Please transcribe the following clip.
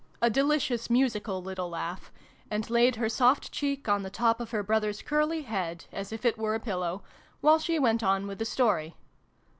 a delicious musical little laugh, and laid her soft cheek on the top of her brother's curly head, as if it were a pillow, while she went on with the story.